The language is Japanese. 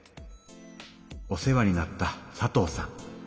お世話になった佐藤さん。